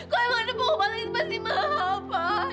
kok emang ada pengobatan itu pasti mahal pak